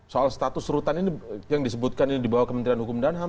soal status rutan ini yang disebutkan ini di bawah kementerian hukum dan ham